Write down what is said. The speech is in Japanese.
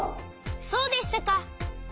そうでしたか！